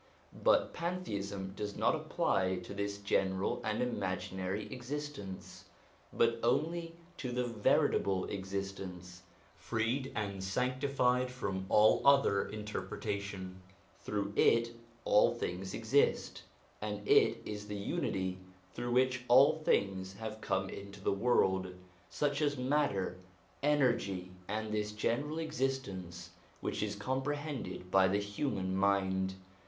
But pantheism does not apply to this general and imaginary existence, but only to the Veritable Existence, freed and sanctified from all other interpretation ; through It all things exist, and It is the Unity through which all things have come into the world, such as matter, energy, and this general MISCELLANEOUS SUBJECTS 331 existence which is comprehended by the human mind.